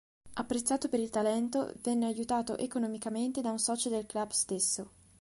Apprezzato per il talento, venne aiutato economicamente da un socio del club stesso.